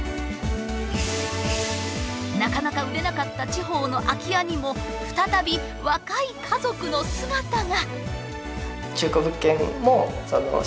なかなか売れなかった地方の空き家にも再び若い家族の姿が。